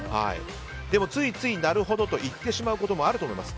でも、ついついなるほどと言ってしまうこともあると思います。